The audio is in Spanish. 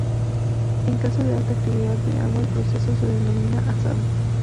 En caso de alta actividad de agua el proceso se denomina "asado".